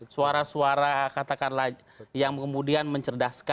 suara suara katakanlah yang kemudian mencerdaskan